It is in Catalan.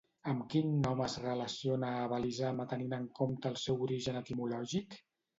Amb quin nom es relaciona a Belisama tenint en compte el seu origen etimològic?